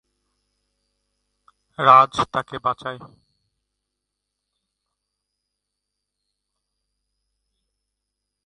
রাজ তাকে বাঁচায়।